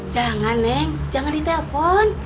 jangan neng jangan ditelpon